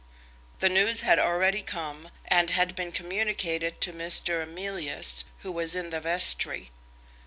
The news had already come, and had been communicated to Mr. Emilius, who was in the vestry.